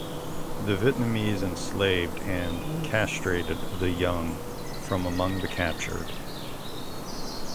The Vietnamese enslaved and castrated the young from among the captured.